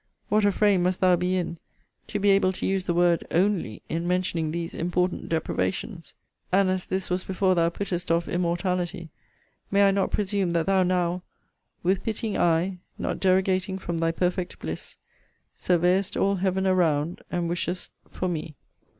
What a frame must thou be in, to be able to use the word ONLY, in mentioning these important deprivations! And as this was before thou puttest off immortalily, may I not presume that thou now, with pitying eye, Not derogating from thy perfect bliss, Survey'st all Heav'n around, and wishest for me?